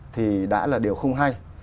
thì đã là điều không hay